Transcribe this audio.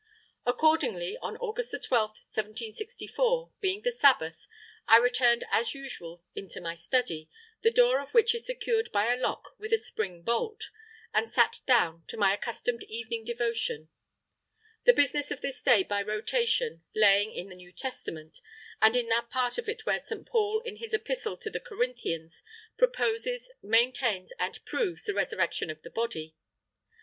"Accordingly, on August 12, 1764, being the Sabbath, I returned as usual into my study, the door of which is secured by a lock with a spring bolt, and sat down to my accustomed evening devotion; the business of this day by rotation laying in the New Testament, and in that part of it where St. Paul in his Epistle to the Corinthians proposes, maintains and proves the resurrection of the body.